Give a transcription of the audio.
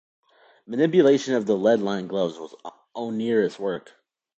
Manipulation of the lead-lined gloves was onerous work.